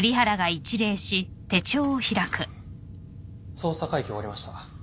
捜査会議終わりました。